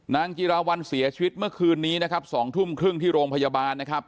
จิราวัลเสียชีวิตเมื่อคืนนี้นะครับ๒ทุ่มครึ่งที่โรงพยาบาลนะครับ